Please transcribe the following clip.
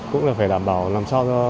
cũng là phải đảm bảo làm sao